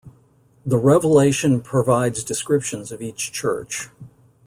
The Revelation provides descriptions of each Church.